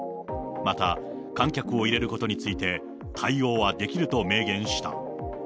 また、観客を入れることについて、対応はできると明言した。